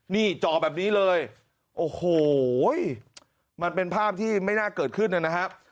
นี่จ่อแบบนี้เลยโอ้โหมันเป็นภาพที่ไม่น่าเกิดขึ้นนะครับ